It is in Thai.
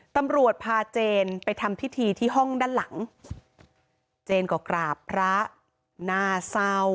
ตำรวจพาเจนไปทำพิธีที่ห้องด้านหลังเจนก็กราบพระน่าเศร้า